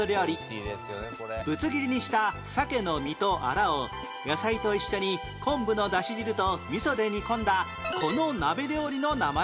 ぶつ切りにしたサケの身とあらを野菜と一緒に昆布のだし汁と味噌で煮込んだこの鍋料理の名前は？